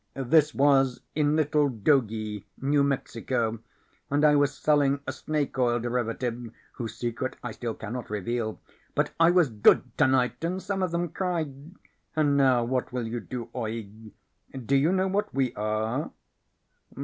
This was in Little Dogie, New Mexico, and I was selling a snake oil derivative whose secret I still cannot reveal. But I was good tonight and some of them cried. And now what will you do, Oeg? Do you know what we are?"